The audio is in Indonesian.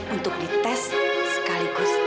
untuk dites sekaligus